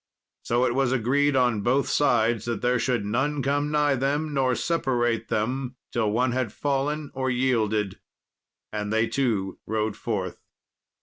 So it was agreed on both sides that there should none come nigh them or separate them till one had fallen or yielded; and they two rode forth.